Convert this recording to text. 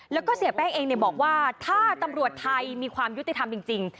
แล้วก็เสียแป้งเองบอกว่าถ้าตำรวจไทยมีความยุติธรรมจริง